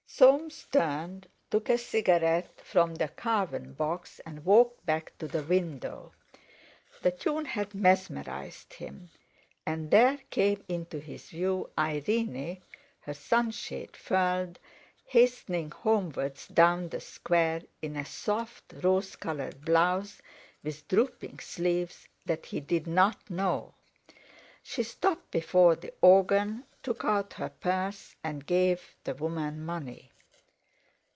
Soames turned, took a cigarette from the carven box, and walked back to the window. The tune had mesmerized him, and there came into his view Irene, her sunshade furled, hastening homewards down the Square, in a soft, rose coloured blouse with drooping sleeves, that he did not know. She stopped before the organ, took out her purse, and gave the woman money.